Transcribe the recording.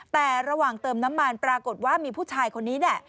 แต่ระหว่างเติมน้ำมันปรากฏว่ามีผู้ชายคนนี้แหละ